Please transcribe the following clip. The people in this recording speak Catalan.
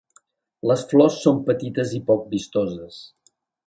Les flors són petites i poc vistoses.